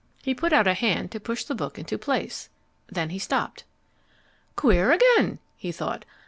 He put out a hand to push the book into place. Then he stopped. "Queer again," he thought.